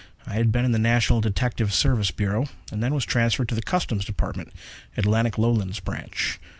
I had been in the National Detective Service Bureau, and then was transferred to the Customs Department, Atlantic Lowlands Branch.